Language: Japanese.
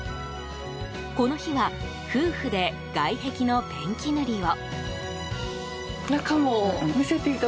この日は夫婦で外壁のペンキ塗りを。